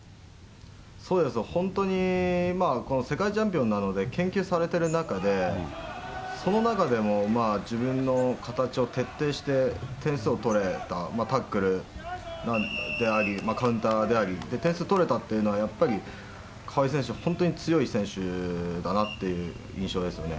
そうですね、本当にまあ、この世界チャンピオンなので、研究されてる中で、その中でも自分の形を徹底して、点数を取れた、タックルであり、カウンターであり、点数取れたっていうのは、やっぱり、川井選手は本当に強い選手だなっていう印象ですね。